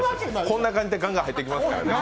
こんな感じでガンガン入ってきますからね。